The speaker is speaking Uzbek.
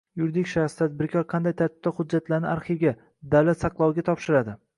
Yuridik shaxs, tadbirkor qanday tartibda hujjatlarini arxivga, davlat saqloviga topshiradi?